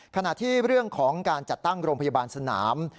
ขณะที่เรื่องของการจัดตั้งโรงพยาบาลสนาม